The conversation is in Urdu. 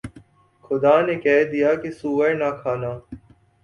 خدا نے کہہ دیا کہ سؤر نہ کھانا